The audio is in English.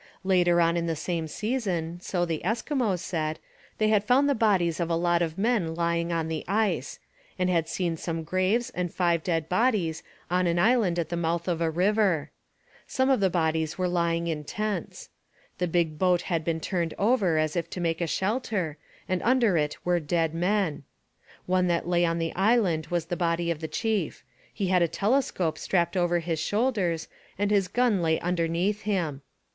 Later on in the same season, so the Eskimos said, they had found the bodies of a lot of men lying on the ice, and had seen some graves and five dead bodies on an island at the mouth of a river. Some of the bodies were lying in tents. The big boat had been turned over as if to make a shelter, and under it were dead men. One that lay on the island was the body of the chief; he had a telescope strapped over his shoulders, and his gun lay underneath him.